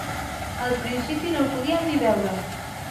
Al principi no el podíem ni veure.